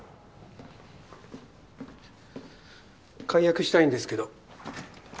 解約したいんですけど。